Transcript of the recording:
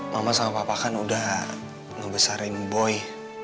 mama sama papa kan udah ngebesarin boy